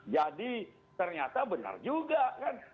jadi ternyata benar juga kan